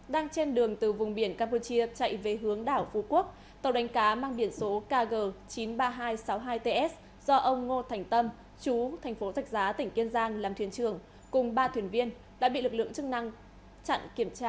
đang trên đường từ vùng biển campuchia chạy về hướng đảo phú quốc tàu đánh cá mang biển số kg chín trăm ba mươi hai sáu mươi hai ts do ông ngô thành tâm chú tp tạch giá tỉnh kiên giang làm thuyền trường cùng ba thuyền viên đã bị lực lượng chức năng chặn kiểm tra